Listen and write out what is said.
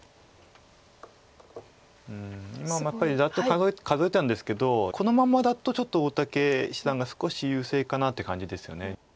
今やっぱりざっと数えたんですけどこのままだとちょっと大竹七段が少し優勢かなっていう感じですよね。